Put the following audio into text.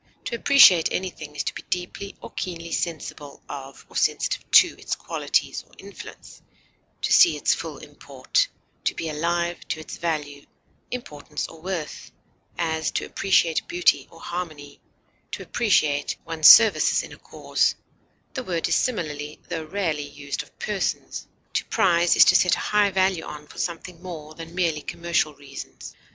To appreciate anything is to be deeply or keenly sensible of or sensitive to its qualities or influence, to see its full import, be alive to its value, importance, or worth; as, to appreciate beauty or harmony; to appreciate one's services in a cause; the word is similarly, tho rarely, used of persons. To prize is to set a high value on for something more than merely commercial reasons.